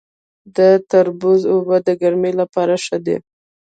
د تربوز اوبه د ګرمۍ لپاره ښې دي.